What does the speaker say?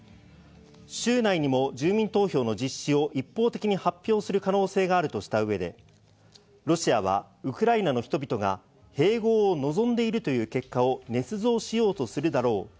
週内にも住民投票の実施を一方的に発表する可能性があるとした上で、ロシアはウクライナの人々が併合を望んでいるという結果をねつ造しようとするだろう。